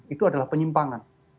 itu adalah penyimpangan